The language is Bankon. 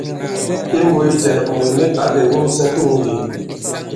Imbūs jɛ, mùt nik ǎ kè wumsɛ i tûŋ yě.